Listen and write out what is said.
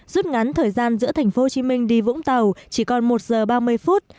rút ngắn thời gian giữa tp hcm đi vũng tàu chỉ còn một giờ ba mươi phút